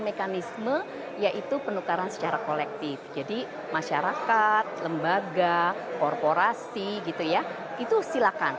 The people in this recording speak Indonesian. mekanisme yaitu penukaran secara kolektif jadi masyarakat lembaga korporasi gitu ya itu silakan